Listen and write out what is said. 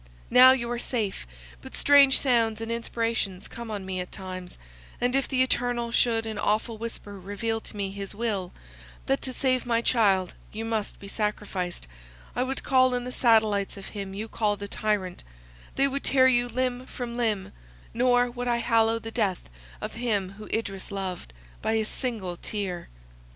Now you are safe; but strange sounds and inspirations come on me at times, and if the Eternal should in awful whisper reveal to me his will, that to save my child you must be sacrificed, I would call in the satellites of him you call the tyrant; they would tear you limb from limb; nor would I hallow the death of him whom Idris loved, by a single tear."